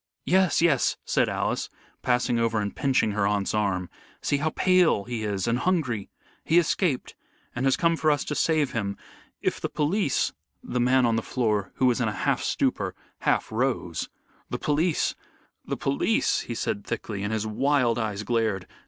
"Yes, yes!" said Alice, passing over and pinching her aunt's arm. "See how pale he is and hungry. He escaped, and has come for us to save him. If the police " The man on the floor, who was in a half stupor, half rose. "The police the police!" he said thickly, and his wild eyes glared.